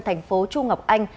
thành phố trung ngọc anh